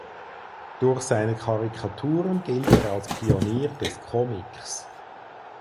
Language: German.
Durch seine Karikaturen gilt er als Pionier des Comics.